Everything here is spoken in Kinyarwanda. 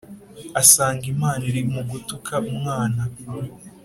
Asanga Imana iri mu gutuka umwana